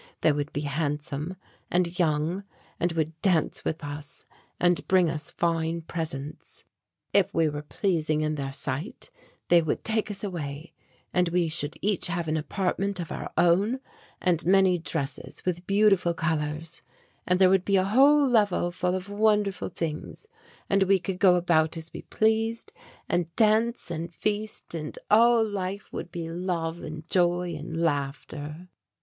They would be handsome and young and would dance with us and bring us fine presents. If we were pleasing in their sight they would take us away, and we should each have an apartment of our own, and many dresses with beautiful colours, and there would be a whole level full of wonderful things and we could go about as we pleased, and dance and feast and all life would be love and joy and laughter.